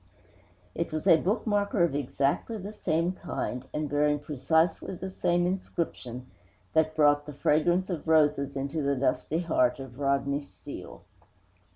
It was a bookmarker of exactly the same kind, and bearing precisely the same inscription, that brought the fragrance of roses into the dusty heart of Rodney Steele.